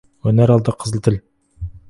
Өнер алды — қызыл тіл.